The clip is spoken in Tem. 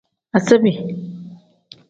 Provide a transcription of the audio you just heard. Asiibi.